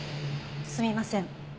すみません。